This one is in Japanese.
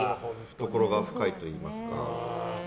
懐が深いといいますか。